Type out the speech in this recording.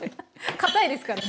堅いですからね。